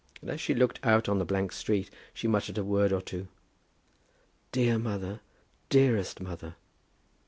And as she looked out on the blank street, she muttered a word or two "Dear mother! Dearest mother!"